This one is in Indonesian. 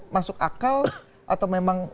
masuk akal atau memang